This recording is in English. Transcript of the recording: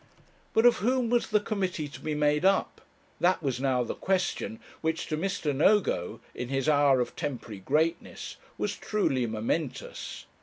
But of whom was the committee to be made up? That was now the question which to Mr. Nogo, in his hour of temporary greatness, was truly momentous.